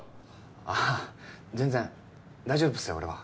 あぁ全然大丈夫っすよ俺は。